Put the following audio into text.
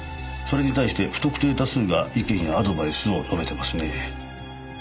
それに対して不特定多数が意見やアドバイスを述べてますね。